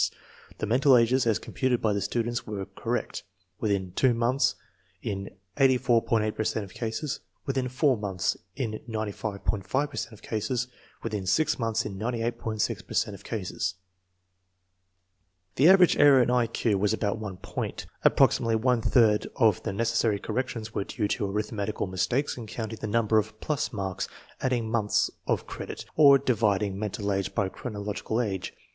1 The mental ages as computed by the students were correct within 2 months in 84.8 per cent of cases; within 4 months in 95.5 per cent of cases; within 6 months in 98.6 per cent of cases. The average error in I Q was about 1 point. Approxi mately one third of the necessary corrections were due to arithmetical mistakes in counting the number of "plus*' marks, adding months of credit, or dividing mental age by chronological age.